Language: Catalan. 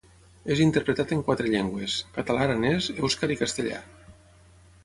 És interpretat en quatre llengües: català, aranès, èuscar i castellà.